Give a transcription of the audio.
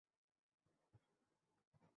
খোদা, আমাকে দিয়ে কি কি করাচ্ছে!